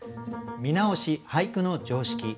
見直し「俳句の常識」